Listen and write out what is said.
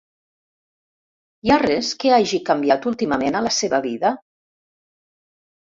Hi ha res que hagi canviat últimament a la seva vida?